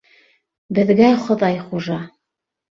Беҙгә Хоҙай хужа...